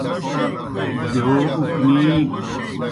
بہیو اُکنی۔